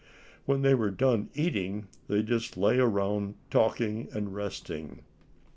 When they were done eating they just lay around talking and resting.